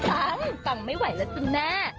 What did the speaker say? อ้าวปังไม่ไหวแล้วจริงแน่